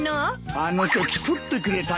あのとき撮ってくれたんだ。